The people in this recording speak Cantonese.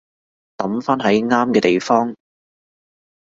抌返喺啱嘅地方